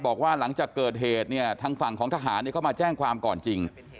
บอกว่าหลังจากเกิดเหตุเนี่ยทางฝั่งของทหารเข้ามาแจ้งความก่อนจริง